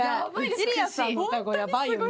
イリヤさんの歌声やばいよね。